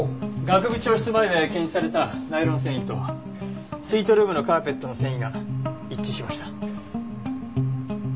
学部長室前で検出されたナイロン繊維とスイートルームのカーペットの繊維が一致しました。